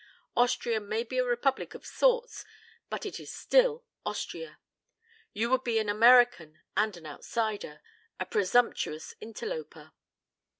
Austria may be a Republic of sorts, but it is still Austria. You would be an American and an outsider a presumptuous interloper."